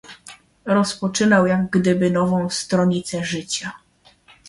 "Rozpoczynał jak gdyby nową stronicę życia."